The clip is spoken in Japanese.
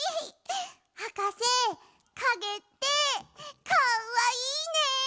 はかせかげってかわいいね！